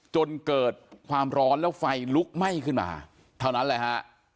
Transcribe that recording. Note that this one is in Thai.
จนเกิดความร้อนแล้วไฟลุกไหม้ขึ้นมาเท่านั้นแหละฮะ